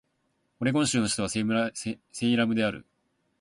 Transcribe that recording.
オレゴン州の州都はセイラムである